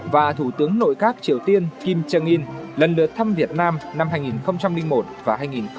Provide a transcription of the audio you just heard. và thủ tướng nội các triều tiên kim trương yên lần lượt thăm việt nam năm hai nghìn một và hai nghìn bảy